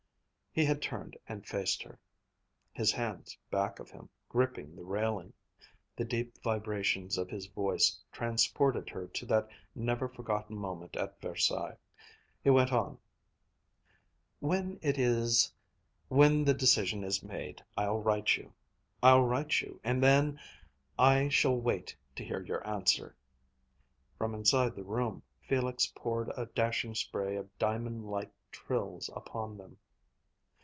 He had turned and faced her, his hands back of him, gripping the railing. The deep vibrations of his voice transported her to that never forgotten moment at Versailles. He went on: "When it is when the decision is made, I'll write you. I'll write you, and then I shall wait to hear your answer!" From inside the room Felix poured a dashing spray of diamond like trills upon them.